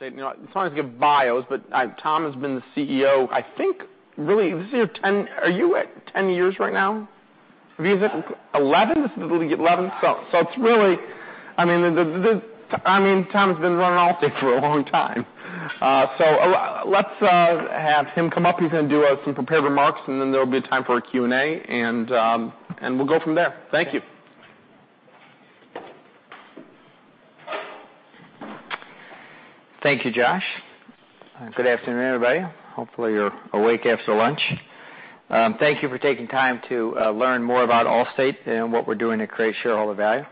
Allstate, as long as we get bios, Tom has been the CEO, I think, really, are you at 10 years right now? Yes. 11? This is the 11th. It's really Tom has been running Allstate for a long time. Let's have him come up. He's going to do some prepared remarks, and then there'll be a time for a Q&A, and we'll go from there. Thank you. Thank you, Josh. Good afternoon, everybody. Hopefully, you're awake after lunch. Thank you for taking time to learn more about Allstate and what we're doing to create shareholder value.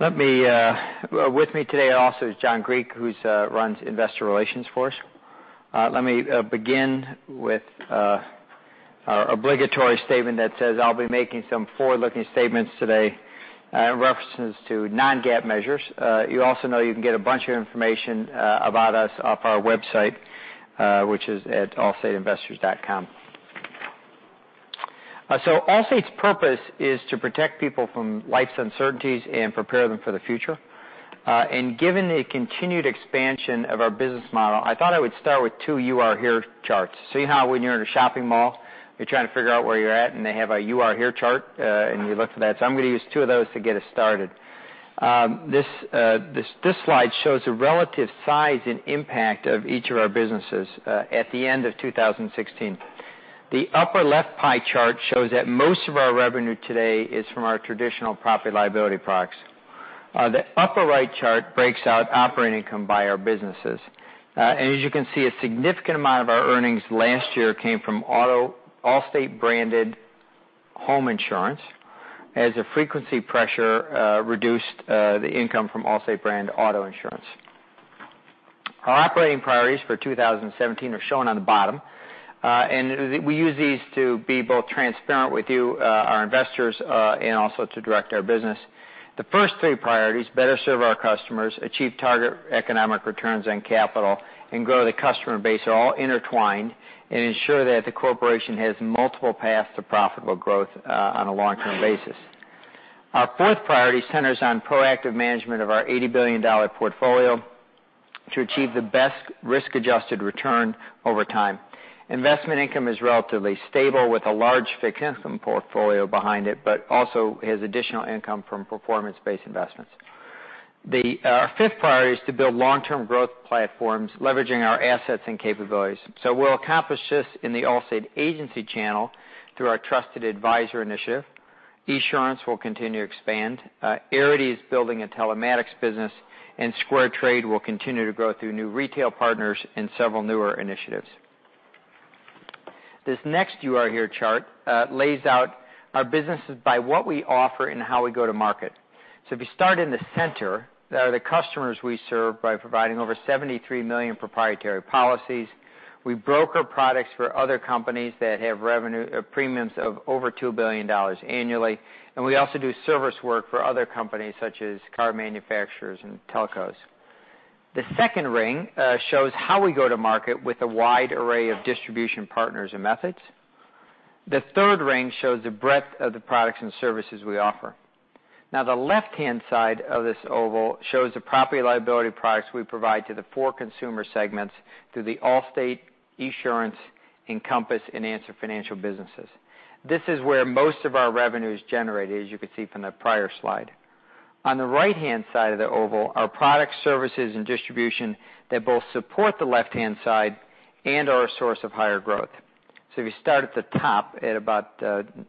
With me today also is John Griek, who runs investor relations for us. Let me begin with our obligatory statement that says I'll be making some forward-looking statements today in references to non-GAAP measures. You also know you can get a bunch of information about us off our website, which is at allstateinvestors.com. Allstate's purpose is to protect people from life's uncertainties and prepare them for the future. Given the continued expansion of our business model, I thought I would start with two You Are Here charts. See how when you're in a shopping mall, you're trying to figure out where you're at, and they have a You Are Here chart, and you look for that. I'm going to use two of those to get us started. This slide shows the relative size and impact of each of our businesses at the end of 2016. The upper left pie chart shows that most of our revenue today is from our traditional property liability products. The upper right chart breaks out operating income by our businesses. As you can see, a significant amount of our earnings last year came from Allstate branded home insurance as the frequency pressure reduced the income from Allstate brand auto insurance. Our operating priorities for 2017 are shown on the bottom. We use these to be both transparent with you, our investors, and also to direct our business. The first three priorities, better serve our customers, achieve target economic returns on capital, and grow the customer base, are all intertwined and ensure that the corporation has multiple paths to profitable growth on a long-term basis. Our fourth priority centers on proactive management of our $80 billion portfolio to achieve the best risk-adjusted return over time. Investment income is relatively stable with a large fixed income portfolio behind it, but also has additional income from performance-based investments. We'll accomplish this in the Allstate agency channel through our Trusted Advisor Initiative. Esurance will continue to expand. Arity is building a telematics business, and SquareTrade will continue to grow through new retail partners and several newer initiatives. This next You Are Here chart lays out our businesses by what we offer and how we go to market. If you start in the center, there are the customers we serve by providing over 73 million proprietary policies. We broker products for other companies that have premiums of over $2 billion annually, and we also do service work for other companies such as car manufacturers and telcos. The second ring shows how we go to market with a wide array of distribution partners and methods. The third ring shows the breadth of the products and services we offer. The left-hand side of this oval shows the property liability products we provide to the four consumer segments through the Allstate, Esurance, Encompass, and Answer Financial businesses. This is where most of our revenue is generated, as you could see from the prior slide. On the right-hand side of the oval are products, services, and distribution that both support the left-hand side and are a source of higher growth. If you start at the top at about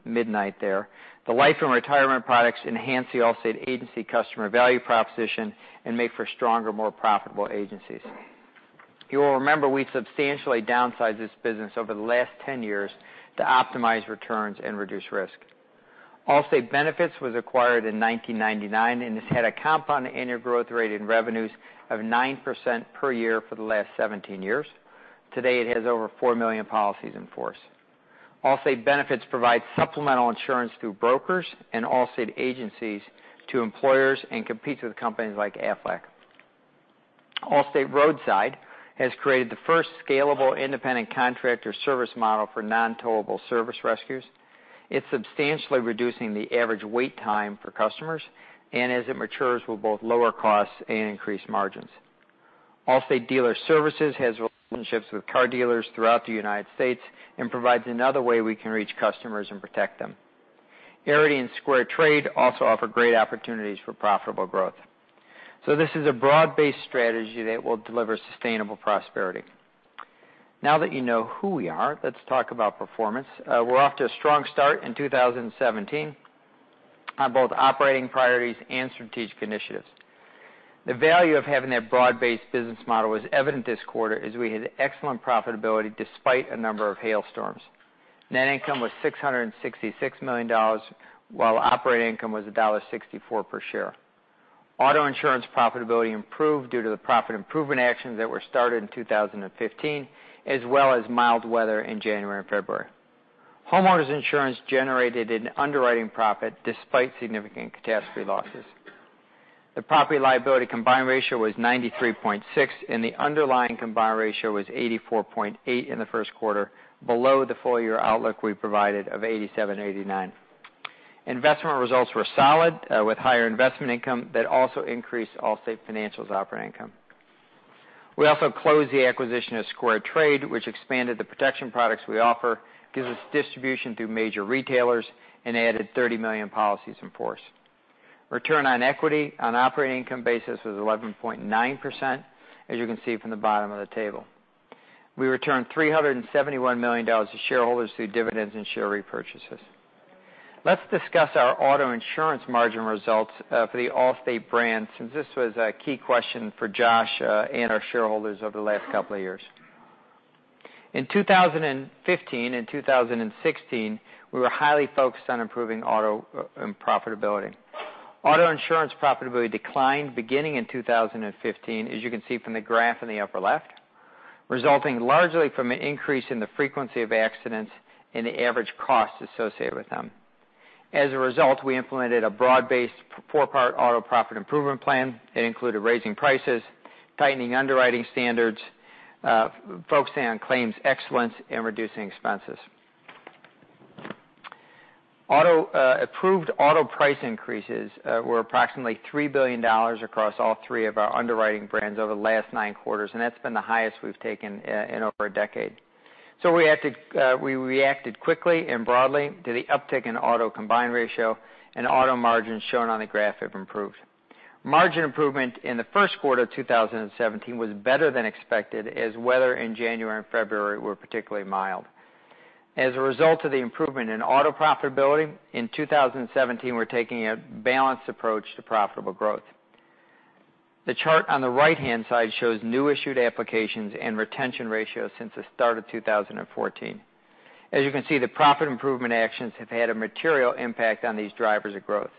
midnight there, the life and retirement products enhance the Allstate agency customer value proposition and make for stronger, more profitable agencies. You will remember we substantially downsized this business over the last 10 years to optimize returns and reduce risk. Allstate Benefits was acquired in 1999 and has had a compound annual growth rate in revenues of 9% per year for the last 17 years. Today, it has over 4 million policies in force. Allstate Benefits provides supplemental insurance through brokers and Allstate agencies to employers and competes with companies like Aflac. Allstate Roadside has created the first scalable independent contractor service model for non-towable service rescues. It's substantially reducing the average wait time for customers, and as it matures, will both lower costs and increase margins. Allstate Dealer Services has relationships with car dealers throughout the United States and provides another way we can reach customers and protect them. Arity and SquareTrade also offer great opportunities for profitable growth. This is a broad-based strategy that will deliver sustainable prosperity. Now that you know who we are, let's talk about performance. We're off to a strong start in 2017 on both operating priorities and strategic initiatives. The value of having that broad-based business model was evident this quarter as we had excellent profitability despite a number of hailstorms. Net income was $666 million, while operating income was $1.64 per share. Auto insurance profitability improved due to the profit improvement actions that were started in 2015, as well as mild weather in January and February. Homeowners insurance generated an underwriting profit despite significant catastrophe losses. The property & liability combined ratio was 93.6%, and the underlying combined ratio was 84.8% in the first quarter, below the full-year outlook we provided of 87%-89%. Investment results were solid with higher investment income that also increased Allstate Financial's operating income. We also closed the acquisition of SquareTrade, which expanded the protection products we offer, gives us distribution through major retailers, and added 30 million policies in force. Return on equity on operating income basis was 11.9%, as you can see from the bottom of the table. We returned $371 million to shareholders through dividends and share repurchases. Let's discuss our auto insurance margin results for the Allstate brand, since this was a key question for Josh and our shareholders over the last couple of years. In 2015 and 2016, we were highly focused on improving auto profitability. Auto insurance profitability declined beginning in 2015, as you can see from the graph in the upper left, resulting largely from an increase in the frequency of accidents and the average cost associated with them. As a result, we implemented a broad-based four-part auto profit improvement plan. It included raising prices, tightening underwriting standards, focusing on claims excellence, and reducing expenses. Approved auto price increases were approximately $3 billion across all three of our underwriting brands over the last nine quarters, and that's been the highest we've taken in over a decade. We reacted quickly and broadly to the uptick in auto combined ratio, and auto margins shown on the graph have improved. Margin improvement in the first quarter of 2017 was better than expected as weather in January and February were particularly mild. As a result of the improvement in auto profitability, in 2017, we're taking a balanced approach to profitable growth. The chart on the right-hand side shows new issued applications and retention ratios since the start of 2014. As you can see, the profit improvement actions have had a material impact on these drivers of growth.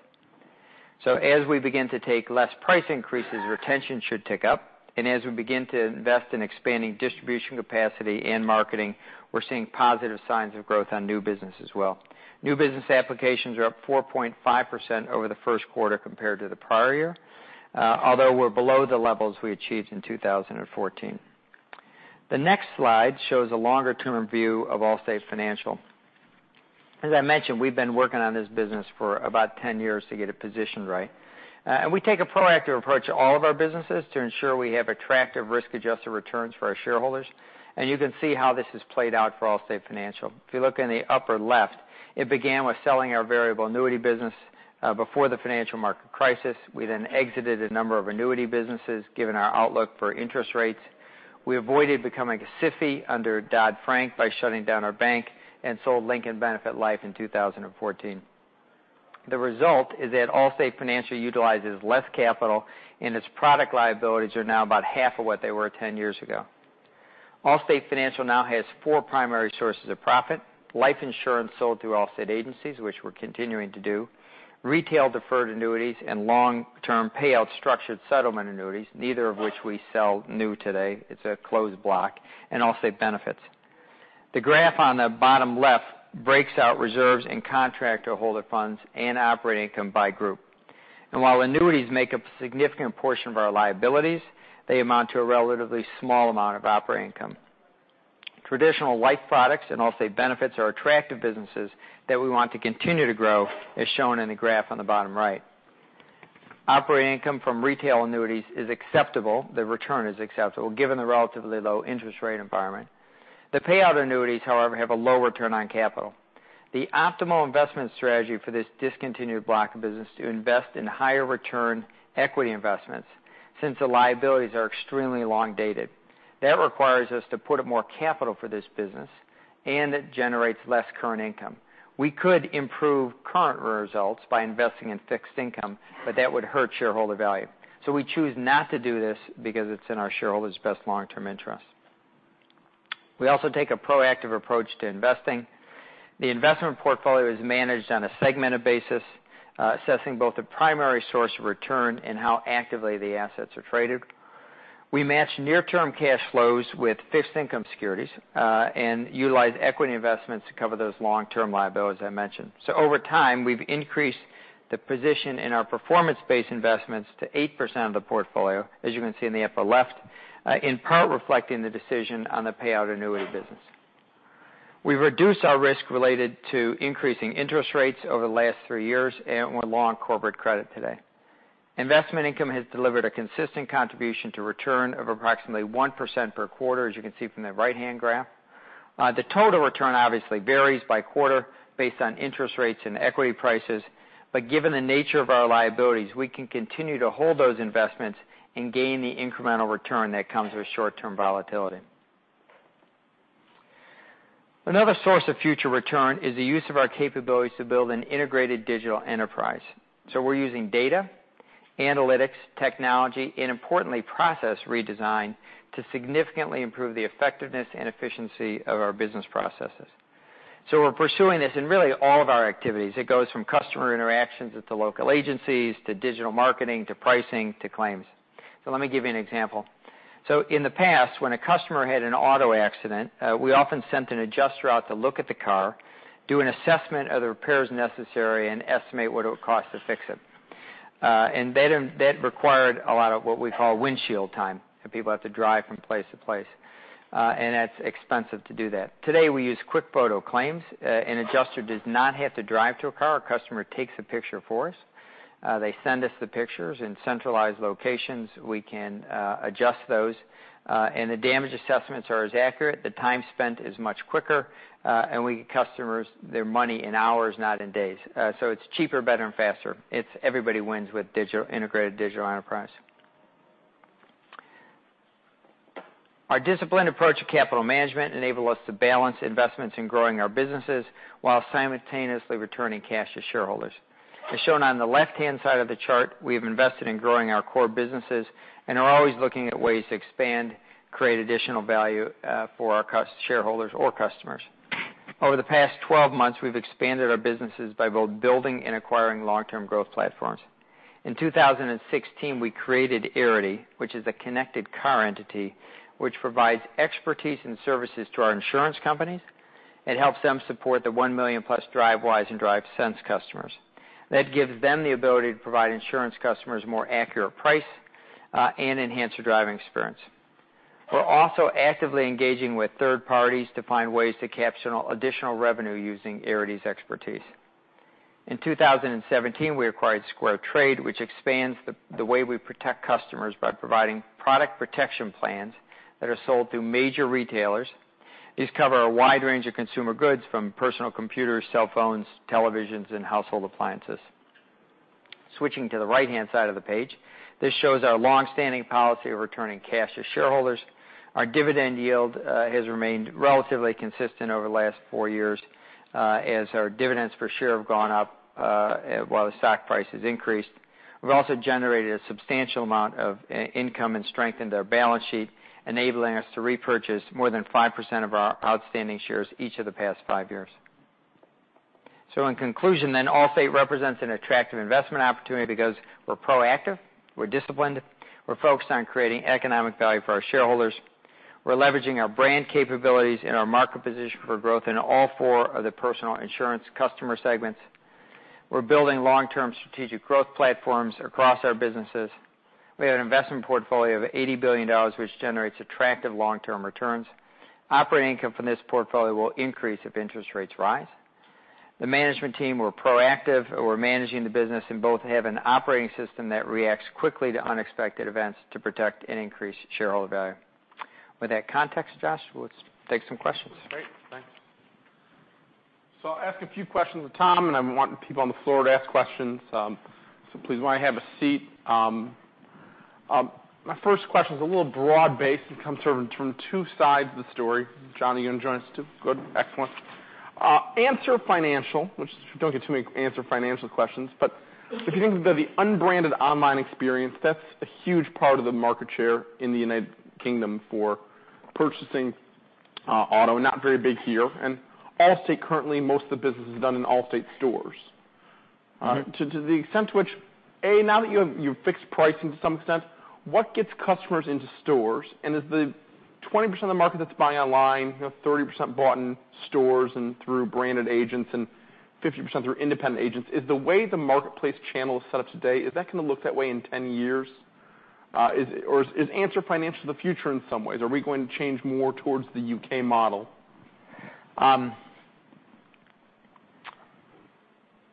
As we begin to take less price increases, retention should tick up, and as we begin to invest in expanding distribution capacity and marketing, we're seeing positive signs of growth on new business as well. New business applications are up 4.5% over the first quarter compared to the prior year, although we're below the levels we achieved in 2014. The next slide shows a longer-term view of Allstate Financial. As I mentioned, we've been working on this business for about 10 years to get it positioned right. We take a proactive approach to all of our businesses to ensure we have attractive risk-adjusted returns for our shareholders, and you can see how this has played out for Allstate Financial. If you look in the upper left, it began with selling our variable annuity business before the financial market crisis. We then exited a number of annuity businesses, given our outlook for interest rates. We avoided becoming a SIFI under Dodd-Frank by shutting down our bank and sold Lincoln Benefit Life in 2014. The result is that Allstate Financial utilizes less capital, and its product liabilities are now about half of what they were 10 years ago. Allstate Financial now has four primary sources of profit, life insurance sold through Allstate agencies, which we're continuing to do, retail deferred annuities, and long-term payout structured settlement annuities, neither of which we sell new today, it's a closed block, and Allstate Benefits. The graph on the bottom left breaks out reserves and contract holder funds and operating income by group. While annuities make up a significant portion of our liabilities, they amount to a relatively small amount of operating income. Traditional life products and Allstate Benefits are attractive businesses that we want to continue to grow, as shown in the graph on the bottom right. Operating income from retail annuities is acceptable. The return is acceptable given the relatively low interest rate environment. The payout annuities, however, have a low return on capital. The optimal investment strategy for this discontinued block of business is to invest in higher return equity investments since the liabilities are extremely long dated. That requires us to put up more capital for this business, and it generates less current income. We could improve current results by investing in fixed income, but that would hurt shareholder value. We choose not to do this because it's in our shareholders' best long-term interest. We also take a proactive approach to investing. The investment portfolio is managed on a segmented basis, assessing both the primary source of return and how actively the assets are traded. We match near-term cash flows with fixed income securities and utilize equity investments to cover those long-term liabilities I mentioned. Over time, we've increased the position in our performance-based investments to 8% of the portfolio, as you can see in the upper left, in part reflecting the decision on the payout annuity business. We've reduced our risk related to increasing interest rates over the last three years and we're long corporate credit today. Investment income has delivered a consistent contribution to return of approximately 1% per quarter, as you can see from the right-hand graph. The total return obviously varies by quarter based on interest rates and equity prices, but given the nature of our liabilities, we can continue to hold those investments and gain the incremental return that comes with short-term volatility. Another source of future return is the use of our capabilities to build an integrated digital enterprise. We're using data, analytics, technology, and importantly, process redesign to significantly improve the effectiveness and efficiency of our business processes. We're pursuing this in really all of our activities. It goes from customer interactions at the local agencies to digital marketing, to pricing, to claims. Let me give you an example. In the past, when a customer had an auto accident, we often sent an adjuster out to look at the car, do an assessment of the repairs necessary, and estimate what it would cost to fix it. That required a lot of what we call windshield time, where people have to drive from place to place. That's expensive to do that. Today we use QuickFoto Claim. An adjuster does not have to drive to a car. A customer takes a picture for us. They send us the pictures. In centralized locations, we can adjust those, and the damage assessments are as accurate, the time spent is much quicker, and we get customers their money in hours, not in days. It's cheaper, better, and faster. Everybody wins with integrated digital enterprise. Our disciplined approach to capital management enables us to balance investments in growing our businesses while simultaneously returning cash to shareholders. As shown on the left-hand side of the chart, we have invested in growing our core businesses and are always looking at ways to expand, create additional value for our shareholders or customers. Over the past 12 months, we've expanded our businesses by both building and acquiring long-term growth platforms. In 2016, we created Arity, which is a connected car entity, which provides expertise and services to our insurance companies. It helps them support the 1 million-plus Drivewise and DriveSense customers. That gives them the ability to provide insurance customers more accurate price and enhance their driving experience. We're also actively engaging with third parties to find ways to capture additional revenue using Arity's expertise. In 2017, we acquired SquareTrade, which expands the way we protect customers by providing product protection plans that are sold through major retailers. These cover a wide range of consumer goods from personal computers, cell phones, televisions, and household appliances. Switching to the right-hand side of the page, this shows our longstanding policy of returning cash to shareholders. Our dividend yield has remained relatively consistent over the last four years as our dividends per share have gone up while the stock price has increased. We've also generated a substantial amount of income and strengthened our balance sheet, enabling us to repurchase more than 5% of our outstanding shares each of the past five years. In conclusion, Allstate represents an attractive investment opportunity because we're proactive, we're disciplined, we're focused on creating economic value for our shareholders. We're leveraging our brand capabilities and our market position for growth in all four of the personal insurance customer segments. We're building long-term strategic growth platforms across our businesses. We have an investment portfolio of $80 billion, which generates attractive long-term returns. Operating income from this portfolio will increase if interest rates rise. The management team, we're proactive, and we're managing the business and both have an operating system that reacts quickly to unexpected events to protect and increase shareholder value. With that context, Josh, we'll take some questions. That's great. Thanks. I'll ask a few questions of Tom, and I want people on the floor to ask questions. Please, why don't you have a seat? My first question is a little broad-based and comes from two sides of the story. John, are you going to join us, too? Good. Excellent. Answer Financial, which we don't get too many Answer Financial questions, but if you think about the unbranded online experience, that's a huge part of the market share in the U.K. for purchasing auto, not very big here, and Allstate currently, most of the business is done in Allstate stores. To the extent to which, now that you have fixed pricing to some extent, what gets customers into stores, is the 20% of the market that's buying online, 30% bought in stores and through branded agents, and 50% through independent agents, is the way the marketplace channel is set up today, is that going to look that way in 10 years? Is Answer Financial the future in some ways? Are we going to change more towards the U.K. model?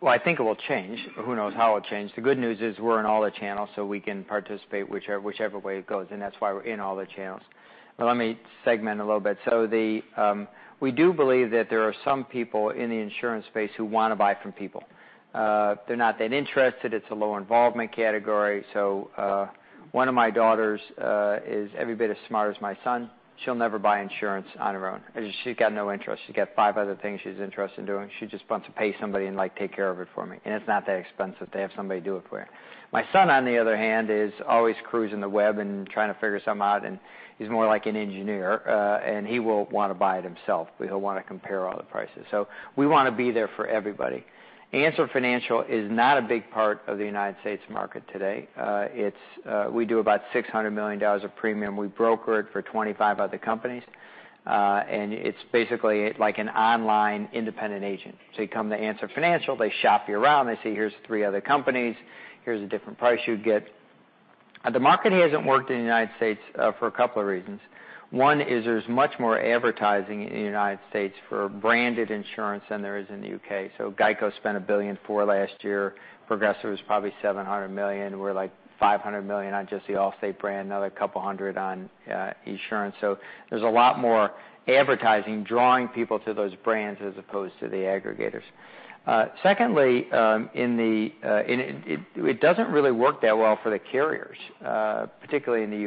I think it will change, who knows how it'll change. The good news is we're in all the channels, we can participate whichever way it goes, and that's why we're in all the channels. Let me segment a little bit. We do believe that there are some people in the insurance space who want to buy from people. They're not that interested. It's a low involvement category. One of my daughters is every bit as smart as my son. She'll never buy insurance on her own, as she's got no interest. She's got five other things she's interested in doing. She just wants to pay somebody and like, "Take care of it for me." It's not that expensive to have somebody do it for you. My son, on the other hand, is always cruising the web and trying to figure something out, and he's more like an engineer. He will want to buy it himself. He'll want to compare all the prices. We want to be there for everybody. Answer Financial is not a big part of the United States market today. We do about $600 million of premium. We broker it for 25 other companies. It's basically like an online independent agent. You come to Answer Financial, they shop you around. They say, "Here's three other companies. Here's a different price you'd get." The market hasn't worked in the United States for a couple of reasons. One is there's much more advertising in the United States for branded insurance than there is in the U.K. GEICO spent $1.4 billion last year. Progressive was probably $700 million. We're like $500 million on just the Allstate brand, another $200 on Esurance. There's a lot more advertising drawing people to those brands as opposed to the aggregators. Secondly, it doesn't really work that well for the carriers, particularly in the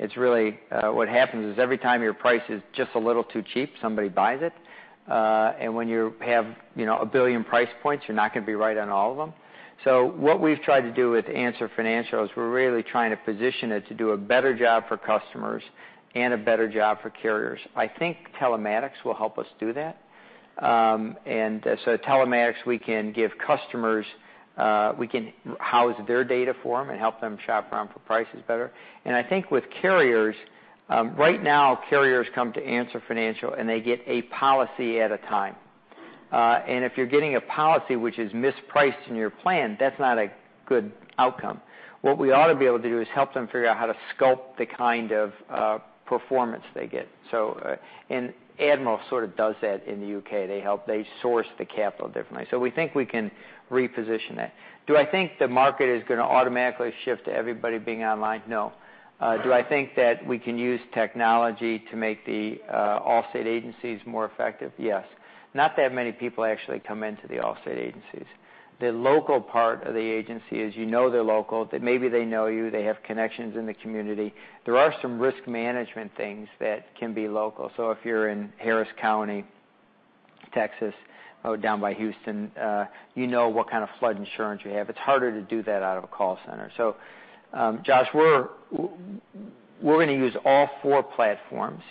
U.K. What happens is every time your price is just a little too cheap, somebody buys it. When you have a billion price points, you're not going to be right on all of them. What we've tried to do with Answer Financial is we're really trying to position it to do a better job for customers and a better job for carriers. I think telematics will help us do that. Telematics, we can house their data for them and help them shop around for prices better. I think with carriers, right now, carriers come to Answer Financial, and they get a policy at a time. If you're getting a policy which is mispriced in your plan, that's not a good outcome. What we ought to be able to do is help them figure out how to sculpt the kind of performance they get. Admiral sort of does that in the U.K. They source the capital differently. We think we can reposition that. Do I think the market is going to automatically shift to everybody being online? No. Do I think that we can use technology to make the Allstate agencies more effective? Yes. Not that many people actually come into the Allstate agencies. The local part of the agency is you know they're local, that maybe they know you, they have connections in the community. There are some risk management things that can be local. If you're in Harris County, Texas, down by Houston, you know what kind of flood insurance you have. It's harder to do that out of a call center. Josh, we're going to use all four platforms,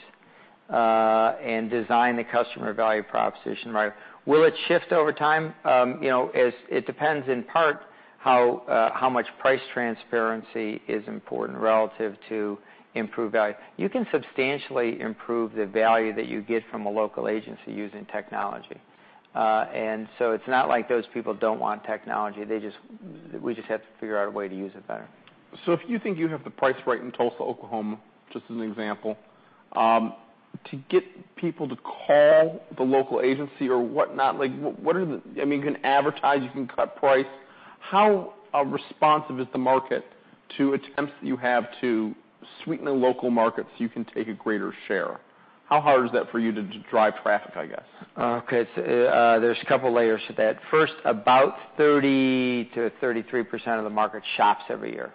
and design the customer value proposition right. Will it shift over time? It depends in part how much price transparency is important relative to improved value. You can substantially improve the value that you get from a local agency using technology. It's not like those people don't want technology. We just have to figure out a way to use it better. If you think you have the price right in Tulsa, Oklahoma, just as an example, to get people to call the local agency or whatnot, you can advertise, you can cut price. How responsive is the market to attempts that you have to sweeten the local market so you can take a greater share? How hard is that for you to drive traffic, I guess? Okay. There's a couple of layers to that. First, about 30%-33% of the market shops every year.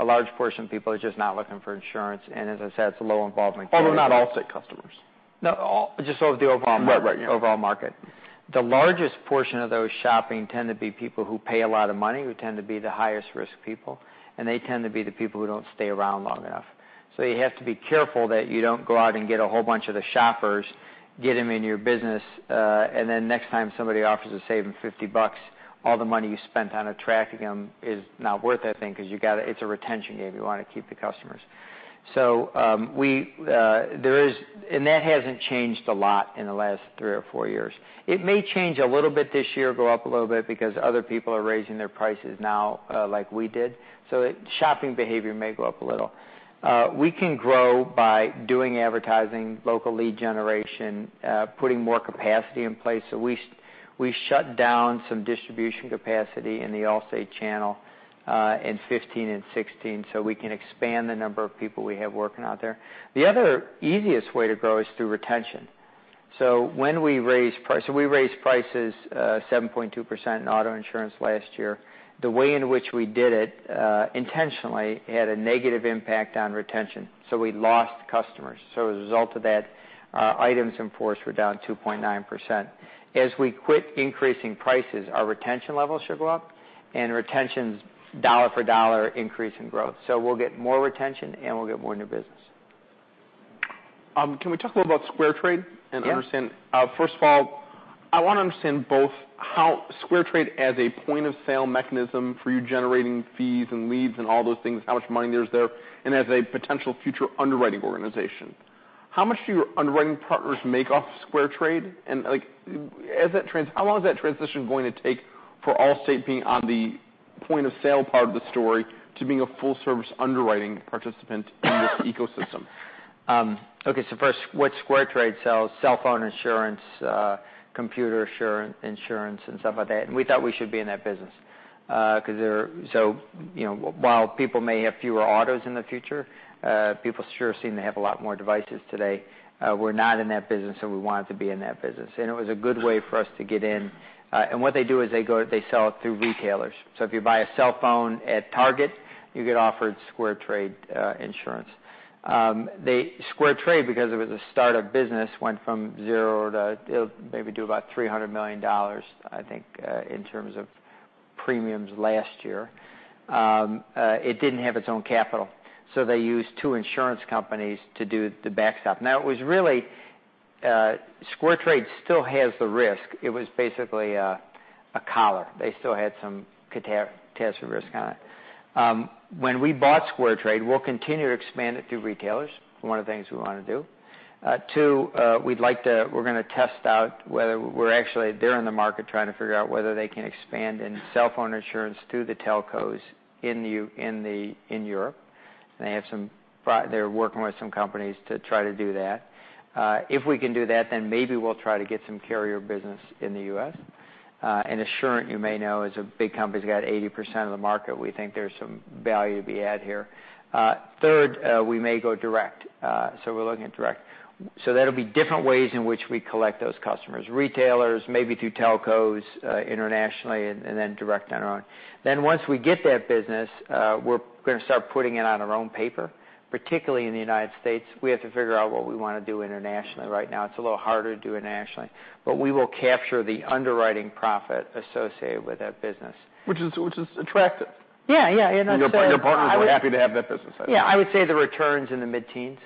A large portion of people are just not looking for insurance, and as I said, it's a low involvement category. Although not Allstate customers. No, just the overall market. Right. The largest portion of those shopping tend to be people who pay a lot of money, who tend to be the highest risk people, and they tend to be the people who don't stay around long enough. You have to be careful that you don't go out and get a whole bunch of the shoppers, get them in your business, and then next time somebody offers to save them $50, all the money you spent on attracting them is not worth that thing because it's a retention game. You want to keep the customers. That hasn't changed a lot in the last three or four years. It may change a little bit this year, go up a little bit because other people are raising their prices now, like we did. Shopping behavior may go up a little. We can grow by doing advertising, local lead generation, putting more capacity in place. We shut down some distribution capacity in the Allstate channel in 2015 and 2016, so we can expand the number of people we have working out there. The other easiest way to grow is through retention. We raised prices 7.2% in auto insurance last year. The way in which we did it, intentionally, had a negative impact on retention. We lost customers. As a result of that, items in force were down 2.9%. As we quit increasing prices, our retention levels should go up, and retention's dollar-for-dollar increase in growth. We'll get more retention, and we'll get more new business. Can we talk a little about SquareTrade and understand Yeah First of all, I want to understand both how SquareTrade as a point of sale mechanism for you generating fees and leads and all those things, how much money there is there, and as a potential future underwriting organization. How much do your underwriting partners make off SquareTrade? How long is that transition going to take for Allstate being on the point of sale part of the story to being a full service underwriting participant in this ecosystem? First, what SquareTrade sells, cell phone insurance, computer insurance, and stuff like that. We thought we should be in that business. While people may have fewer autos in the future, people sure seem to have a lot more devices today. We're not in that business, so we wanted to be in that business. It was a good way for us to get in. What they do is they sell it through retailers. If you buy a cell phone at Target, you get offered SquareTrade insurance. SquareTrade, because it was a startup business, went from zero to maybe do about $300 million, I think, in terms of premiums last year. It didn't have its own capital, so they used two insurance companies to do the backstop. SquareTrade still has the risk. It was basically a collar. They still had some catastrophe risk on it. When we bought SquareTrade, we'll continue to expand it through retailers, one of the things we want to do. Two, we're going to test out whether we're actually there in the market trying to figure out whether they can expand in cell phone insurance through the telcos in Europe. They're working with some companies to try to do that. If we can do that, maybe we'll try to get some carrier business in the U.S. Assurant, you may know, is a big company. It's got 80% of the market. We think there's some value to be had here. Third, we may go direct. We're looking at direct. That'll be different ways in which we collect those customers. Retailers, maybe through telcos internationally, direct on our own. Once we get that business, we're going to start putting it on our own paper, particularly in the United States. We have to figure out what we want to do internationally. Right now, it's a little harder to do internationally. We will capture the underwriting profit associated with that business. Which is attractive. Yeah. Your partners will be happy to have that business, I think. Yeah, I would say the return's in the mid-teens,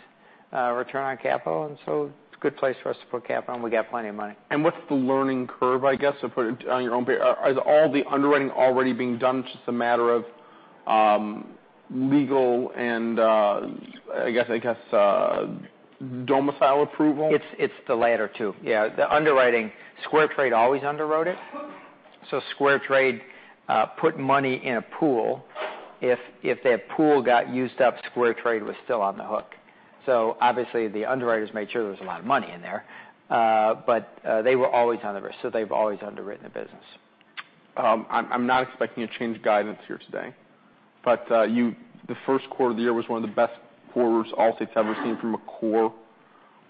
return on capital. It's a good place for us to put capital, and we got plenty of money. What's the learning curve, I guess, to put it on your own paper? Are all the underwriting already being done, just a matter of Legal and I guess domicile approval? It's the latter two. Yeah, the underwriting. SquareTrade always underwrote it. SquareTrade put money in a pool. If that pool got used up, SquareTrade was still on the hook. The underwriters made sure there was a lot of money in there. They were always on the risk, so they've always underwritten the business. I'm not expecting a change in guidance here today, the first quarter of the year was one of the best quarters Allstate's ever seen from a core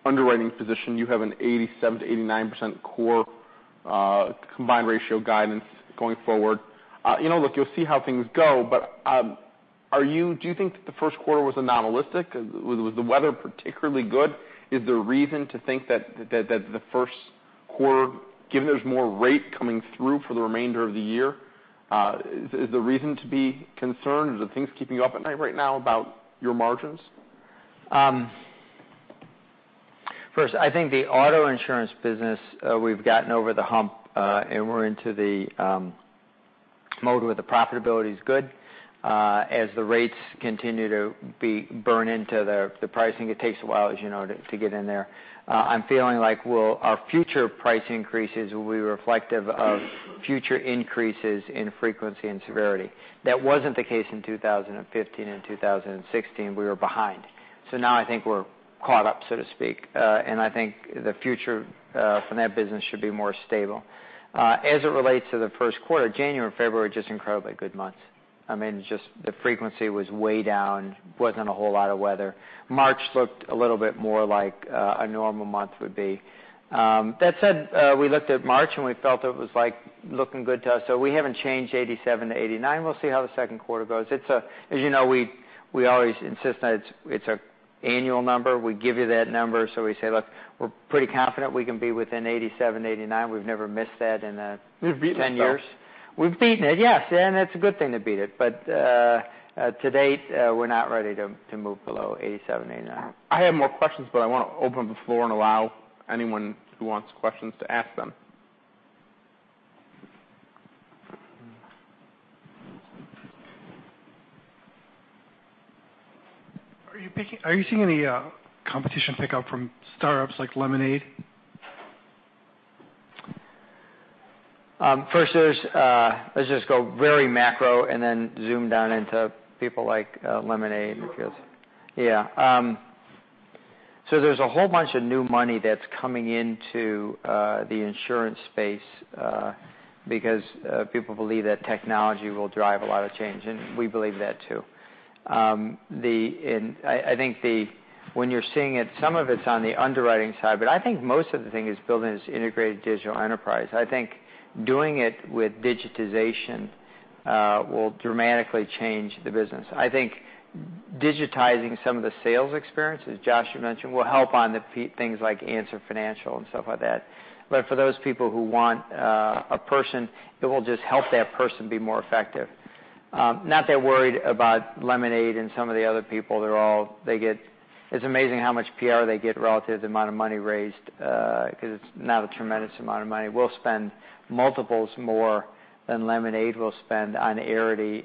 underwriting position. You have an 87%-89% core combined ratio guidance going forward. Look, you'll see how things go, do you think that the first quarter was anomalistic? Was the weather particularly good? Is there a reason to think that the first quarter, given there's more rate coming through for the remainder of the year, is there reason to be concerned? Are there things keeping you up at night right now about your margins? First, I think the auto insurance business, we've gotten over the hump, we're into the mode where the profitability is good. As the rates continue to be burned into the pricing, it takes a while, as you know, to get in there. I'm feeling like our future price increases will be reflective of future increases in frequency and severity. That wasn't the case in 2015 and 2016. We were behind. Now I think we're caught up, so to speak. I think the future from that business should be more stable. As it relates to the first quarter, January and February are just incredibly good months. I mean, just the frequency was way down, wasn't a whole lot of weather. March looked a little bit more like a normal month would be. That said, we looked at March, and we felt it was looking good to us. We haven't changed 87%-89%. We'll see how the second quarter goes. As you know, we always insist that it's our annual number. We give you that number, we say, look, we're pretty confident we can be within 87%-89%. We've never missed that. We've beaten it though 10 years. We've beaten it, yes. It's a good thing to beat it. To date, we're not ready to move below 87%-89%. I have more questions, but I want to open up the floor and allow anyone who wants questions to ask them. Are you seeing any competition pick up from startups like Lemonade? First, let's just go very macro and then zoom down into people like Lemonade. There's a whole bunch of new money that's coming into the insurance space because people believe that technology will drive a lot of change, and we believe that, too. I think when you're seeing it, some of it's on the underwriting side, but I think most of the thing is building this integrated digital enterprise. I think doing it with digitization will dramatically change the business. I think digitizing some of the sales experience, as Josh mentioned, will help on the things like Answer Financial and stuff like that. For those people who want a person, it will just help that person be more effective. Not that worried about Lemonade and some of the other people. It's amazing how much PR they get relative to the amount of money raised because it's not a tremendous amount of money. We'll spend multiples more than Lemonade will spend on Arity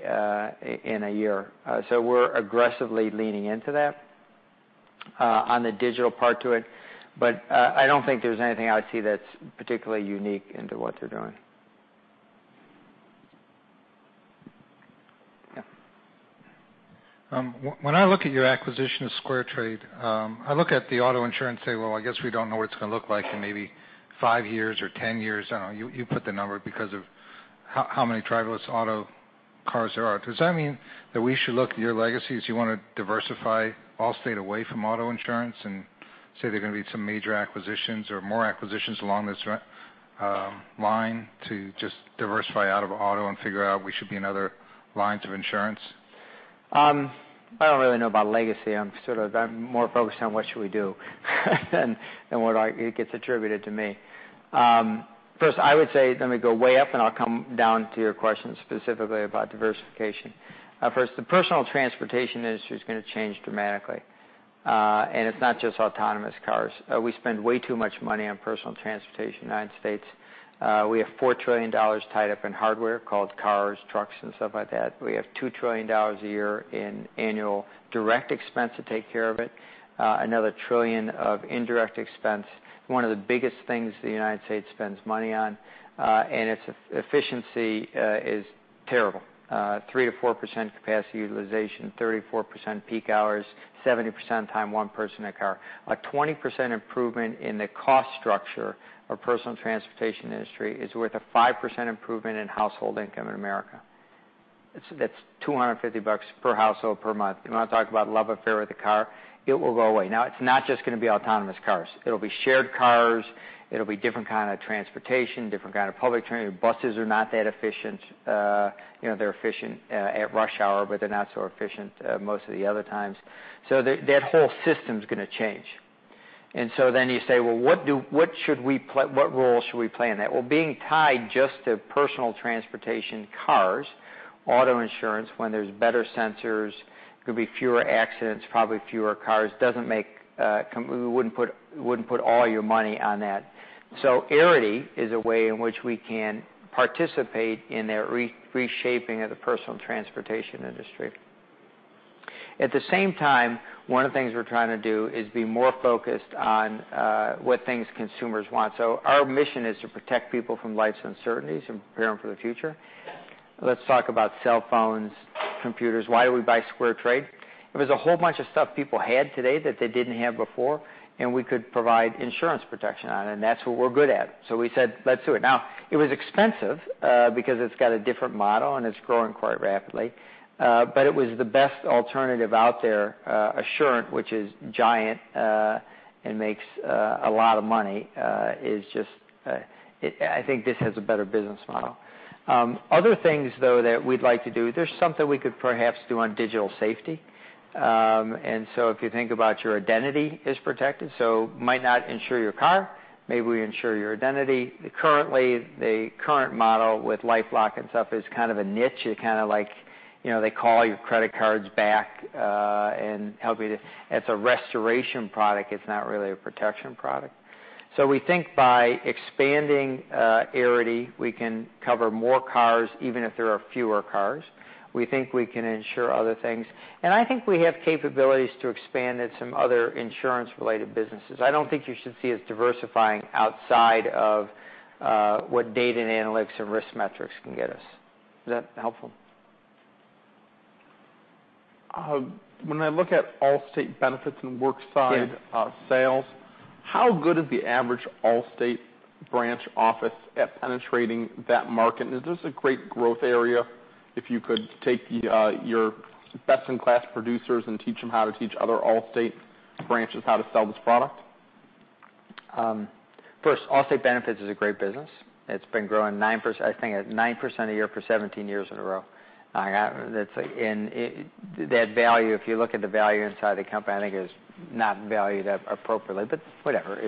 in a year. We're aggressively leaning into that on the digital part to it. I don't think there's anything I see that's particularly unique into what they're doing. When I look at your acquisition of SquareTrade, I look at the auto insurance, say, well, I guess we don't know what it's going to look like in maybe five years or 10 years. I don't know. You put the number because of how many driverless auto cars there are. Does that mean that we should look at your legacy as you want to diversify Allstate away from auto insurance and say there are going to be some major acquisitions or more acquisitions along this line to just diversify out of auto and figure out we should be in other lines of insurance? I don't really know about legacy. I'm more focused on what should we do than what gets attributed to me. First, I would say, let me go way up, and I'll come down to your question specifically about diversification. First, the personal transportation industry is going to change dramatically. It's not just autonomous cars. We spend way too much money on personal transportation in the United States. We have $4 trillion tied up in hardware called cars, trucks, and stuff like that. We have $2 trillion a year in annual direct expense to take care of it. Another $1 trillion of indirect expense. One of the biggest things the United States spends money on. Its efficiency is terrible. 3%-4% capacity utilization, 34% peak hours, 70% of the time, one person in a car. A 20% improvement in the cost structure of personal transportation industry is worth a 5% improvement in household income in America. That's $250 per household per month. You want to talk about love affair with a car? It will go away. It's not just going to be autonomous cars. It'll be shared cars. It'll be different kind of transportation, different kind of public transportation. Buses are not that efficient. They're efficient at rush hour, they're not so efficient most of the other times. That whole system's going to change. You say, well, what role should we play in that? Well, being tied just to personal transportation cars, auto insurance, when there's better sensors, there could be fewer accidents, probably fewer cars. We wouldn't put all your money on that. Arity is a way in which we can participate in the reshaping of the personal transportation industry. At the same time, one of the things we're trying to do is be more focused on what things consumers want. Our mission is to protect people from life's uncertainties and prepare them for the future. Let's talk about cell phones, computers. Why do we buy SquareTrade? There was a whole bunch of stuff people had today that they didn't have before. We could provide insurance protection on it, and that's what we're good at. We said, "Let's do it now." It was expensive because it's got a different model. It's growing quite rapidly. It was the best alternative out there. Assurant, which is giant, makes a lot of money. I think this has a better business model. Other things, though, that we'd like to do, there's something we could perhaps do on digital safety. If you think about your identity is protected, might not insure your car, maybe we insure your identity. Currently, the current model with LifeLock and stuff is kind of a niche. They call your credit cards back, help you to. It's a restoration product, it's not really a protection product. We think by expanding Arity, we can cover more cars, even if there are fewer cars. We think we can insure other things. I think we have capabilities to expand in some other insurance-related businesses. I don't think you should see us diversifying outside of what data and analytics and risk metrics can get us. Is that helpful? When I look at Allstate Benefits and worksite sales- Yeah Is this how good is the average Allstate branch office at penetrating that market? Is this a great growth area if you could take your best-in-class producers and teach them how to teach other Allstate branches how to sell this product? First, Allstate Benefits is a great business. It's been growing I think at 9% a year for 17 years in a row. If you look at the value inside the company, I think it's not valued appropriately, but whatever.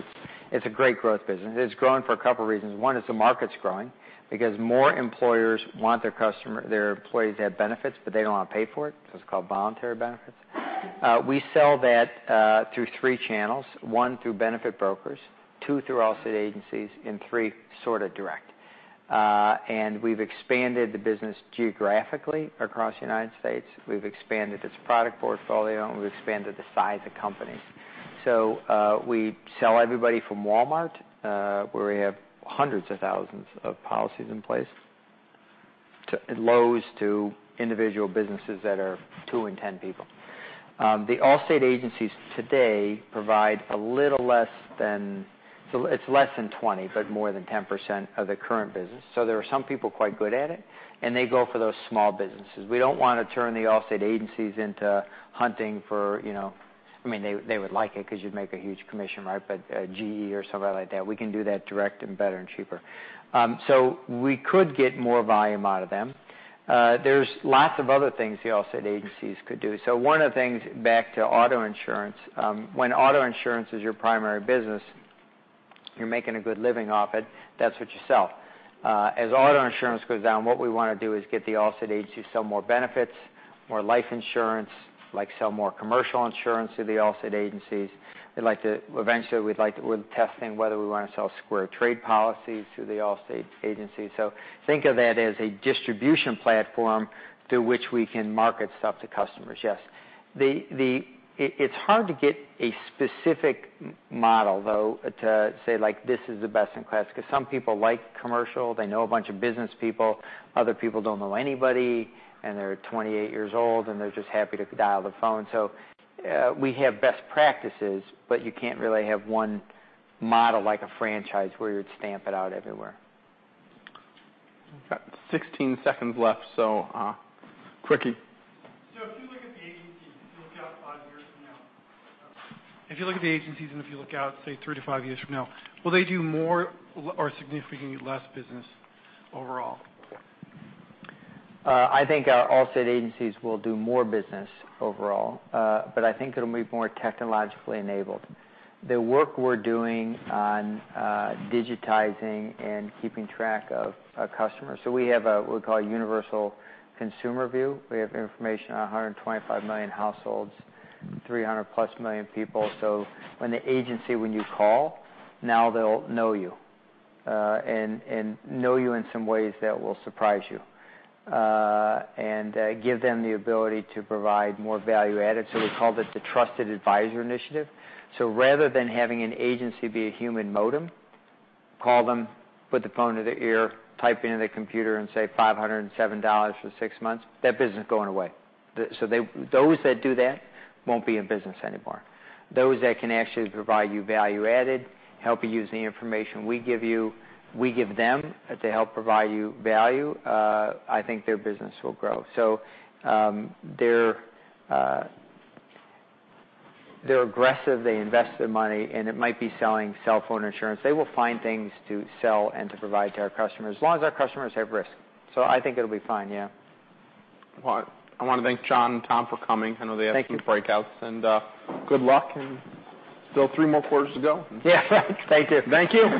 It's a great growth business. It's growing for a couple of reasons. One is the market's growing because more employers want their employees to have benefits, but they don't want to pay for it, so it's called voluntary benefits. We sell that through three channels. One, through benefit brokers, two, through Allstate agencies, and three, sort of direct. We've expanded the business geographically across the U.S. We've expanded its product portfolio, and we've expanded the size of companies. We sell everybody from Walmart, where we have hundreds of thousands of policies in place, to Lowe's, to individual businesses that are two in 10 people. The Allstate agencies today provide a little less than 20, but more than 10% of the current business. There are some people quite good at it, and they go for those small businesses. We don't want to turn the Allstate agencies into hunting for. They would like it because you'd make a huge commission, GE or somebody like that, we can do that direct and better and cheaper. We could get more volume out of them. There's lots of other things the Allstate agencies could do. One of the things, back to auto insurance, when auto insurance is your primary business, you're making a good living off it. That's what you sell. As auto insurance goes down, what we want to do is get the Allstate agency to sell more benefits, more life insurance, sell more commercial insurance to the Allstate agencies. Eventually, we're testing whether we want to sell SquareTrade policies to the Allstate agencies. Think of that as a distribution platform through which we can market stuff to customers. Yes. It's hard to get a specific model, though, to say, like, "This is the best in class," because some people like commercial, they know a bunch of business people, other people don't know anybody, and they're 28 years old, and they're just happy to dial the phone. We have best practices, but you can't really have one model, like a franchise, where you would stamp it out everywhere. We've got 16 seconds left, so quickie. If you look at the agencies, and if you look out, say, three to five years from now, will they do more or significantly less business overall? I think our Allstate agencies will do more business overall. I think it'll be more technologically enabled. The work we're doing on digitizing and keeping track of customers. We have what we call Universal Consumer View. We have information on 125 million households, 300-plus million people. When the agency, when you call, now they'll know you. Know you in some ways that will surprise you, and give them the ability to provide more value added. We called it the Trusted Advisor Initiative. Rather than having an agency be a human modem, call them, put the phone to their ear, type into the computer, and say $507 for six months, that business is going away. Those that do that won't be in business anymore. Those that can actually provide you value added, help you use the information we give them to help provide you value, I think their business will grow. They're aggressive, they invest their money, it might be selling cell phone insurance. They will find things to sell and to provide to our customers as long as our customers have risk. I think it'll be fine, yeah. Well, I want to thank John and Tom for coming. Thank you. I know they have some breakouts, good luck, still three more quarters to go. Yeah thanks. Thank you. Thank you.